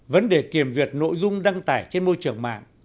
vấn đề kiểm duyệt nội dung đăng tải trên môi trường mạng